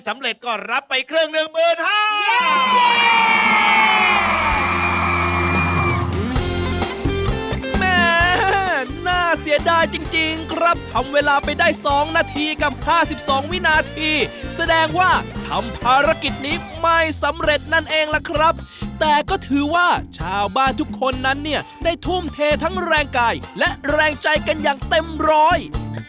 เมหน่าเสียดายจริงครับทำเวลาไปได้๒นาทีกับ๕๒วินาทีแสดงว่าทำภารกิจนี้ไม่สำเร็จนั่นเองล่ะครับแต่ก็ถือว่าชาวบ้านทุกคนนั้นเนี่ยได้ทุ่มเททั้งแรงกายและแรงใจกันอย่างเต็มร้อย